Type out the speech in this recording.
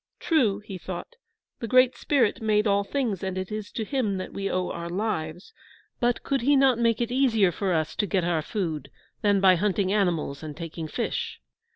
"True!" he thought, "the Great Spirit made all things, and it is to him that we owe our lives. But could he not make it easier for us to get our food than by hunting animals and taking fish?